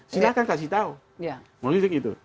silahkan kasih tahu